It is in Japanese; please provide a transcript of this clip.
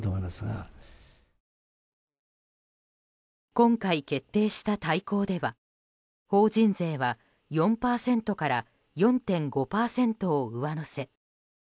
今回、決定した大綱では法人税は４％から４．５％を上乗せ。